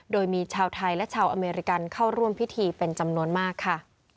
โดยมีชาวไทยและชาวอเมริกันเข้าร่วมพิธีเป็นจำนวนมากค่ะ